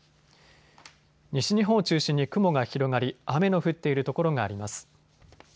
西日本を中心に雲が広がり雨の降っている所があります。